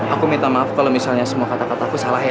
aku minta maaf kalau misalnya semua kata kata aku salah ya